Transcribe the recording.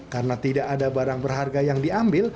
karena tidak ada barang berharga yang diambil